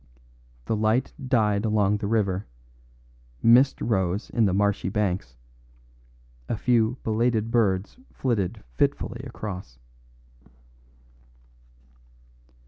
The light died along the river; mist rose in the marshy banks; a few belated birds flitted fitfully across.